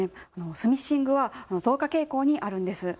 スミッシングは増加傾向にあるんです。